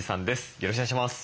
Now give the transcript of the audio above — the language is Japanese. よろしくお願いします。